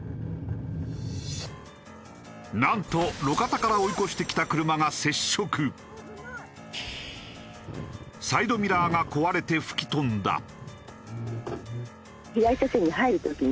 なんと路肩から追い越してきた車がサイドミラーが壊れて吹き飛んだ。